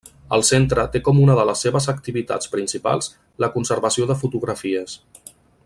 El centre té com una de les seves activitats principals la conservació de fotografies.